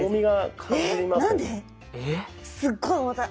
すっごい重たい。